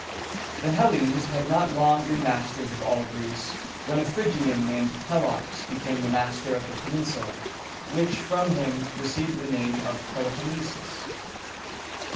The Hellenes had not long been masters of all Greece, when a Phryg´i an called Pe´lops became master of the peninsula, which from him received the name of Pel o pon ne´sus.